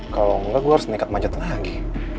kalo enggak gue harus nekat majet lagi